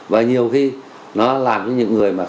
và nhiều khi nó làm cho những người mà